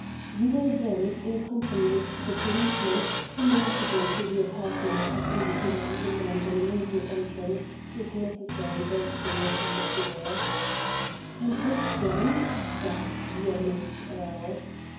You will then, in company with the policeman, come rapidly to the apartment I have indicated and demand an immediate entrance if necessary bursting the door open." "And what then?" gasped the amazed earl.